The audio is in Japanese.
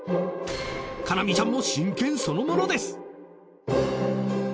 叶望ちゃんも真剣そのものです。